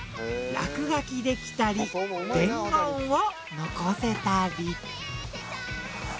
落書きできたり伝言を残せたり。